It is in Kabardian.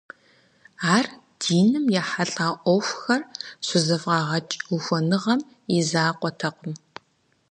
Ар диным ехьэлӀа Ӏуэхухэр щызэфӀагъэкӀ ухуэныгъэм и закъуэтэкъым.